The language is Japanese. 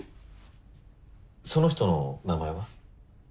その人の名前は？